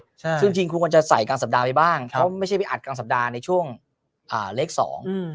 ใช่ซึ่งจริงคุณควรจะใส่กลางสัปดาห์ไปบ้างครับเพราะไม่ใช่ไปอัดกลางสัปดาห์ในช่วงอ่าเลขสองอืม